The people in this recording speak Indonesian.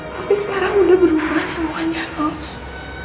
tapi sekarang udah berubah semuanya rose